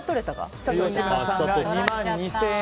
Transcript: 吉村さんが２万２０００円。